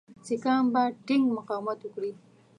سیکهان به ټینګ مقاومت وکړي.